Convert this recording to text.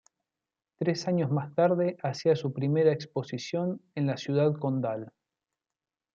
Tres años más tarde hacía su primera exposición en la Ciudad Condal.